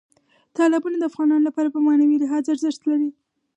تالابونه د افغانانو لپاره په معنوي لحاظ ارزښت لري.